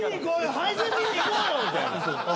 配膳見に行こうよ！みたいな。